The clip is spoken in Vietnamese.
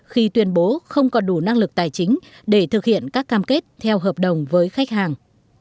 khi tuyên bố không có đủ năng lực tài chính để thực hiện các cam kết theo hợp đồng với khách hàng